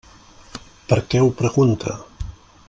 Per què ho pregunta?